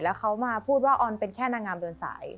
แล้วเขามาพูดว่าออนเป็นแค่นางงามเดินสาย